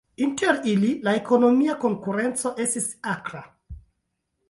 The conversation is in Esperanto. Inter ili, la ekonomia konkurenco estis akra.